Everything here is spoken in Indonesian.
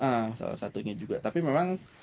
nah salah satunya juga tapi memang